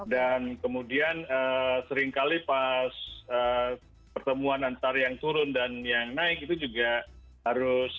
dan kemudian sering kali pas pertemuan antar yang turun dan yang naik itu juga harus